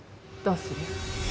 どうする？